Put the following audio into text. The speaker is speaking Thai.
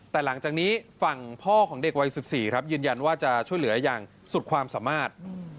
แต่หลังจากนี้ฝั่งพ่อของเด็กวัย๑๔ครับยืนยันว่าจะช่วยเหลืออย่างสุดความสามารถ